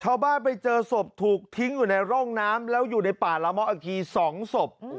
ไปเจอศพถูกทิ้งอยู่ในร่องน้ำแล้วอยู่ในป่าละเมาะอากี๒ศพ